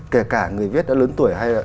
kể cả người viết đã lớn tuổi hay là